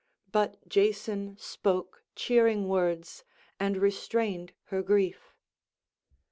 But Jason spoke cheering words and restrained her grief.